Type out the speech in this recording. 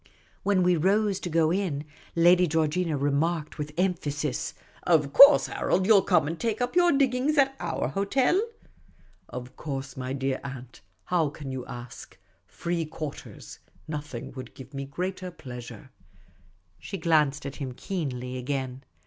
When we rose to go in, Lady Georgina remarked, with emphasis, " Of course, Harold, you '11 come and take up your diggings at our hotel ?"" Of course, my dear aunt. How can you ask? Free quarters. Nothing would give me greater pleasure." She glanced at him keenly again.